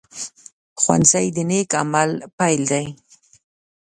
ښوونځی د نیک عمل پيل دی